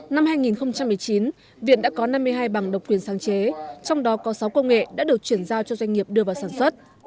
năm hai nghìn một mươi chín viện đã có năm mươi hai bằng độc quyền sáng chế trong đó có sáu công nghệ đã được chuyển giao cho doanh nghiệp đưa vào sản xuất